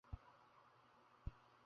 এই রাতটা আমার কাছে খুবই গুরুত্বপূর্ণ ছিল।